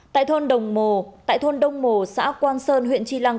tại thôn đông mồ xã quan sơn huyện tri lăng